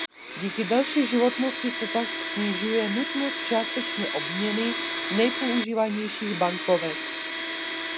Díky delší životnosti se tak snižuje nutnost časté obměny nejpoužívanějších bankovek.